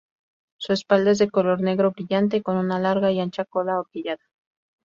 Su espalda es de color negro brillante con una larga y ancha cola ahorquillada.